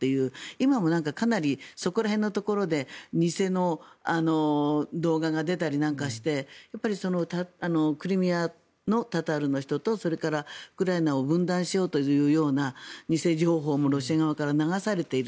今も、かなりそこら辺のところで偽の動画が出たりなんかしてクリミアのタタールの人とそれからウクライナを分断しようというような偽情報もロシア側から流されている。